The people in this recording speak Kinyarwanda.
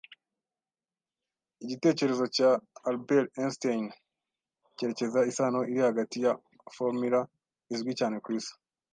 Igitekerezo cya Albert Einstein cyerekana isano iri hagati ya formula izwi cyane kwisi.